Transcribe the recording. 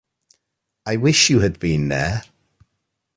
I wish you had been there.